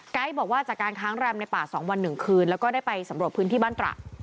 กายบอกว่าจากการค้างแรมในป่าสองวันหนึ่งคืนแล้วก็ได้ไปสำหรับพื้นที่บ้านตรา